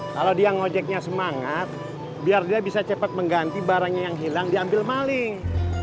kalau dia ngojeknya semangat biar dia bisa cepat mengganti barangnya yang hilang diambil maling